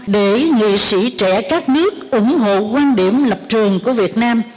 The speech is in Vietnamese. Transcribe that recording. để nghị sĩ trẻ các nước ủng hộ quan điểm lập trường của việt nam